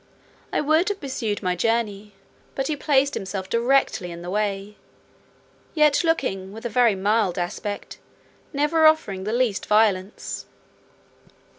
I would have pursued my journey, but he placed himself directly in the way, yet looking with a very mild aspect, never offering the least violence.